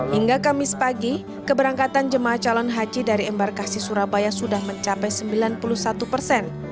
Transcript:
hingga kamis pagi keberangkatan jemaah calon haji dari embarkasi surabaya sudah mencapai sembilan puluh satu persen